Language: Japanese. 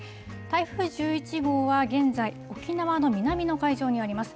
台風１１号は現在、沖縄の南の海上にあります。